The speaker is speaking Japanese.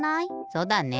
そうだね。